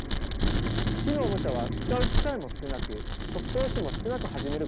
木のおもちゃは使う機械も少なく初期投資も少なく始めることが可能です。